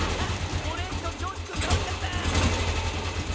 オレンジのジョージくんたおれちゃった！